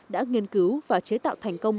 đã nghiên cứu và chế tạo thành công